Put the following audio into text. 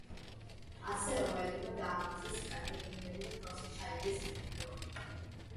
ასე რომაელებმა დაამარცხეს კართაგენელები და ხელში ჩაიგდეს მეთი ფლოტი.